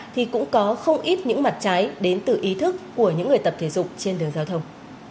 thì cũng có không ít những mặt trái đến từ ý thức của những người tập thể dục trên đường giao thông